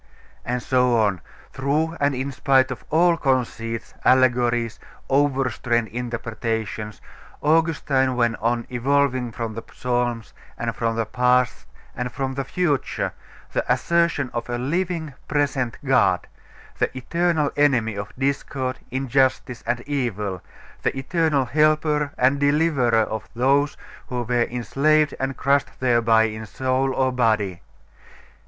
And so on, through and in spite of all conceits, allegories, overstrained interpretations, Augustine went on evolving from the Psalms, and from the past, and from the future, the assertion of a Living, Present God, the eternal enemy of discord, injustice, and evil, the eternal helper and deliverer of those who were enslaved and crushed thereby in soul or body....